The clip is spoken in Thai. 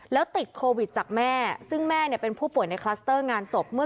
แล้วติดโควิดจากแม่